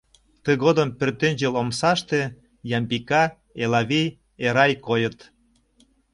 Тыгодым пӧртӧнчыл омсаште Ямбика, Элавий, Эрай койыт.